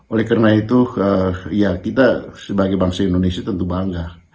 oleh karena itu ya kita sebagai bangsa indonesia tentu bangga